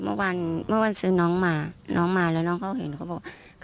เมื่อวานเมื่อวันซื้อน้องมาน้องมาแล้วน้องเขาเห็นเขาบอก